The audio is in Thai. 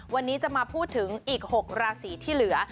วันนี้จะมาพูดถึงอีก๖ราศีที่เหลือ